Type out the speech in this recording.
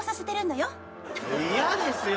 嫌ですよ